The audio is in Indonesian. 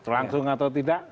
langsung atau tidak